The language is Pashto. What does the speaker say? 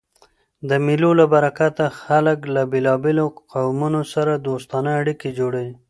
د مېلو له برکته خلک له بېلابېلو قومو سره دوستانه اړيکي جوړوي.